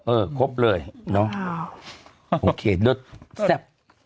เออครบเลยโอเคเด็ดแซ่บ